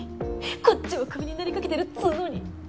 こっちはクビになりかけてるっつうのに！